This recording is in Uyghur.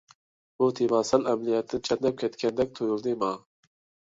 بۇ تېما سەل ئەمەلىيەتتىن چەتنەپ كەتكەندەك تۇيۇلدى ماڭا.